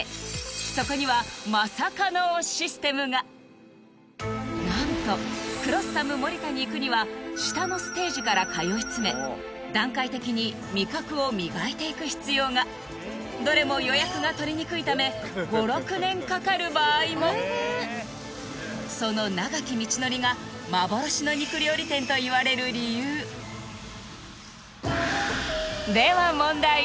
そこには何とクロッサムモリタに行くには下のステージから通いつめ段階的に味覚を磨いていく必要がどれも予約が取りにくいため５６年かかる場合もその長き道のりが「幻の肉料理店」といわれる理由では問題